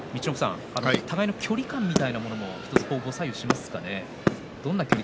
互いの距離感というのも左右しますかね。